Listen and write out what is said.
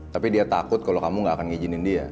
tapi dia takut kalau kamu enggak akan ngijinin dia